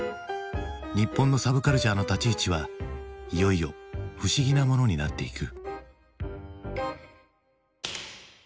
日本のサブカルチャーの立ち位置はいよいよ不思議なものになっていく。